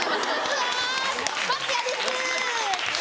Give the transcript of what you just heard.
うわ松屋です。